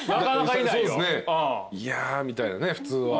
「いや」みたいなね普通は。